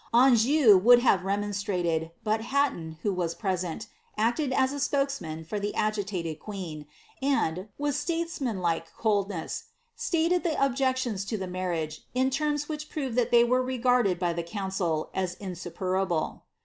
Anjou would have remonstrated, but Hatton, who was present, acted as spokesman for the agitated queen, and, with statesmanlike coldness, stated the ob jections to the marriage, in terms which proved that they were regarded by the council as insuperable.'